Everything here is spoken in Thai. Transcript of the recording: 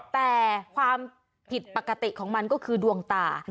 แต่ความผิดปกติของมันก็คือดวงตา